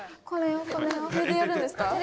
これでやるんですか？